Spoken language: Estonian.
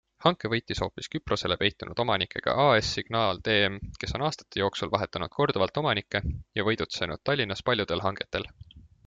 Hanke võitis hoopis Küprosele peitunud omanikega AS Signaal TM, kes on aastate jooksul vahetanud korduvalt omanikke ja võidutsenud Tallinnas paljudel hangetel.